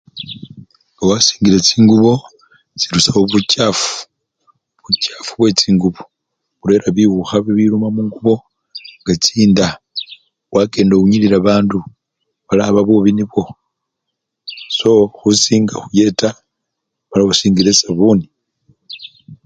Nga wasingile chingubo, orusyakho buchafu, buchafu bwechingubo burera biwukha bibiba mungubo nga chinda wakenda owunyilila bandu, mala aba bubi nibwo, so khusinga khuyeta mala aba osingila esabuni.